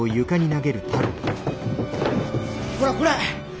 ほらこれ。